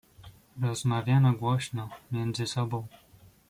"Rozmawiano głośno między sobą."